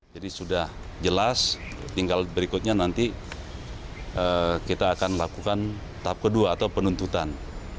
jadi sudah jelas tinggal berikutnya nanti kita akan lakukan tahap kedua atau penuntutan